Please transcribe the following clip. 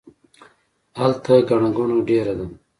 هلته ګڼه ګوڼه ډیره ده